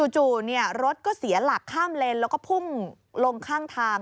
จู่รถก็เสียหลักข้ามเลนแล้วก็พุ่งลงข้างทาง